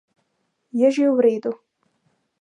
Je že v redu.